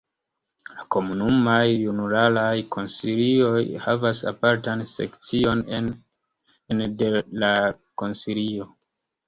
La komunumaj junularaj konsilioj havas apartan sekcion ene de la Konsilio.